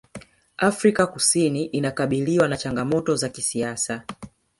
afrika kusini inakabiliwa na changamoto za kisiasa